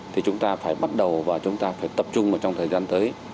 thì chúng ta phải bắt đầu và chúng ta phải tập trung vào trong thời gian tới